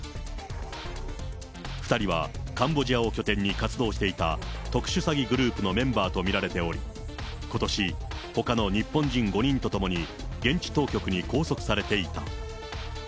２人はカンボジアを拠点に活動していた特殊詐欺グループのメンバーと見られており、ことしほかの日本人５人と共に現地当局に拘束されていた。